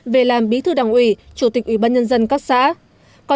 về làm bí kí của các cán bộ trẻ